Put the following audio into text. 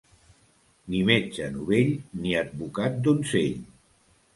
Ni metge novell, ni advocat donzell.